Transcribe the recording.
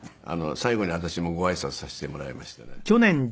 最後に私もご挨拶させてもらいましてね。